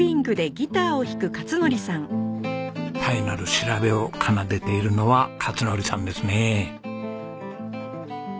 たえなる調べを奏でているのは勝則さんですね。